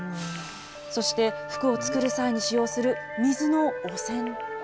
そして服を作る際に使用する水の汚染。